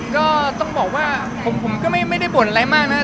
ก็ต้องบอกว่าผมก็ไม่ได้บ่นอะไรมากนะครับ